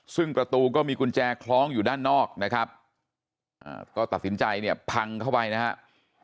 ซึ่งประตูก็มีกุญแจคล้องอยู่ด้านนอกนะครับก็ตัดสินใจเนี่ยพังเข้าไปนะครับ